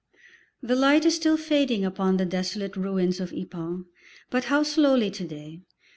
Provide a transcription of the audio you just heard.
The light is still fading upon the desolate ruins of Ypres, but how slowly to day!